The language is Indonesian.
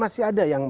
masih ada yang